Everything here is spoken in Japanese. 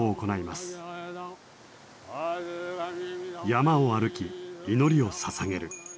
山を歩き祈りをささげる。